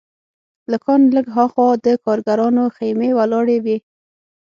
له کان لږ هاخوا د کارګرانو خیمې ولاړې وې